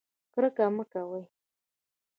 کرکه مه کوئ